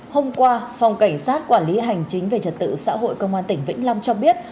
hôm qua phòng cảnh sát quản lý hành chính về trật tự xã hội công an tỉnh vĩnh long cho biết